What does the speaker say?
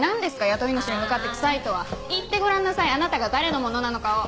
雇い主に向かって「臭い」とは。言ってごらんなさいあなたが誰のものなのかを！